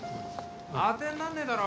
当てになんねえだろ。